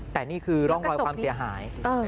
แต่นี่คือร่องรอยความเสียหาย